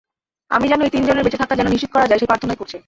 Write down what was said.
আমি যেন এই তিনজনের বেঁচে থাকা যেন নিশ্চিত করা যায় সেই প্রার্থনাই করছি!